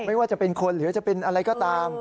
ไม่ว่าจะเป็นคนหรือจะเป็นอะไรก็ตาม